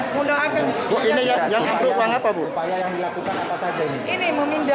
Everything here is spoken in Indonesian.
ruang apa yang ambruk ini